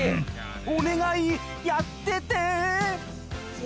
お願いやってて！